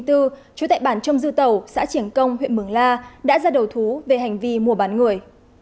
trú tại bản trông dư tàu xã triển công huyện mường la đã ra đầu thú về hành vi mua bán người